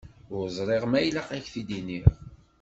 Ur ẓriɣ ma ilaq ad k-t-id-iniɣ.